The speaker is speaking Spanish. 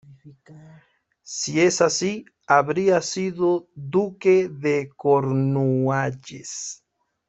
Si es así, habría sido duque de Cornualles.